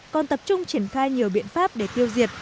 còn tập trung triển khai nhiều biện pháp để tiêu diệt